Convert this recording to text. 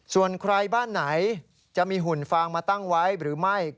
ส่วนใครบ้านไหนจะมีหุ่นฟางมาตั้งไว้หรือไม่